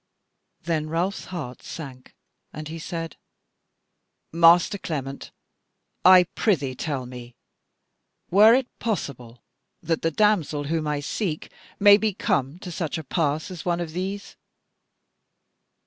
Then Ralph's heart sank, and he said: "Master Clement, I prithee tell me; were it possible that the damsel whom I seek may be come to such a pass as one of these?"